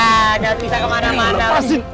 ya udah bisa kemana mana wih